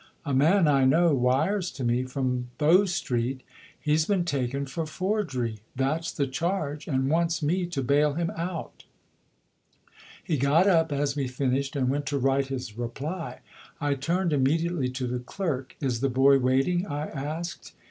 A man I know wires to me from Bow Street. He's been taken for forgery that's the charge and wants me to bail him out." He got up as we finished and went to write his reply: I turned immediately to the clerk. "Is the boy waiting?" I asked.